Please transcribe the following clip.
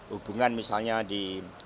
hubungan misalnya di